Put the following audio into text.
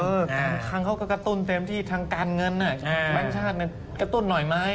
บางครั้งเขาก็กระตุ้นเต็มที่ทางการเงินแบงค์ชาติกระตุ้นหน่อยไหม